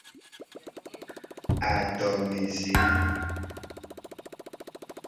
Adomeze.